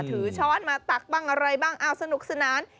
ช้อนมาตักบ้างอะไรบ้างอ้าวสนุกสนาน